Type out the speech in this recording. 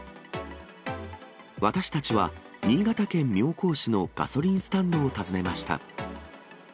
私たちは新潟県妙高市のガソリンスタンドを訪ねました。